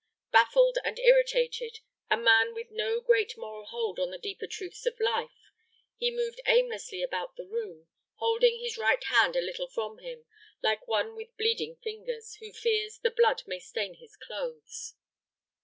Baffled and irritated, a man with no great moral hold on the deeper truths of life, he moved aimlessly about the room, holding his right hand a little from him like one with bleeding fingers, who fears the blood may stain his clothes.